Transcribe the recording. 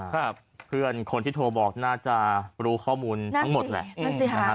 เพื่อนคนที่โทรบอกน่าจะรู้ข้อมูลทั้งหมดแหละนะฮะ